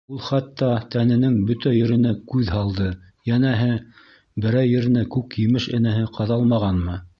Ул хатта тәненең бөтә еренә күҙ һалды, йәнәһе, берәй еренә күк емеш энәһе ҡаҙалмағанмы?